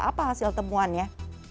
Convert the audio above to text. apa hasil temuannya